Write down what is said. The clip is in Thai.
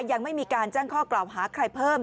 ยังไม่มีการแจ้งข้อกล่าวหาใครเพิ่ม